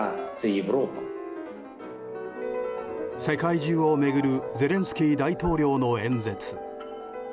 世界中を巡るゼレンスキー大統領の演説。